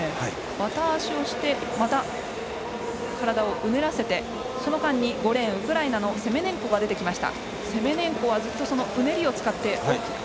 バタ足をしてまた体をうねらせてその間に５レーン、ウクライナのセメネンコが出てきました。